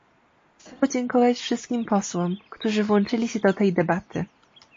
Chcę podziękować wszystkim posłom, którzy włączyli się do tej debaty